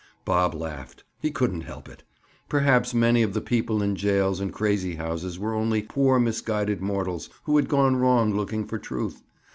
Bob laughed. He couldn't help it. Perhaps many of the people in jails and crazy houses were only poor misguided mortals who had gone wrong looking for truth.